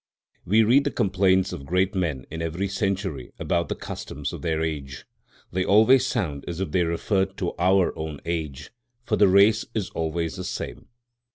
We read the complaints of great men in every century about the customs of their age. They always sound as if they referred to our own age, for the race is always the same.